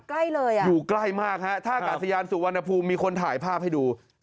ใกล้เลยอ่ะอยู่ใกล้มากฮะท่ากาศยานสุวรรณภูมิมีคนถ่ายภาพให้ดู